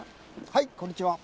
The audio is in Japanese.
はいこんにちは。